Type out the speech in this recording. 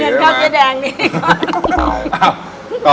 เงินเข้าเจ๊แดงดีกว่า